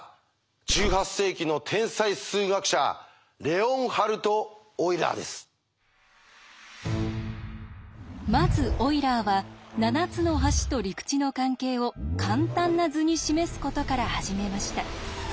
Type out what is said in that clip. １８世紀の天才数学者まずオイラーは７つの橋と陸地の関係を簡単な図に示すことから始めました。